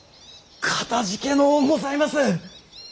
かたじけのうございます！